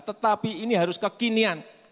tetapi ini harus kekinian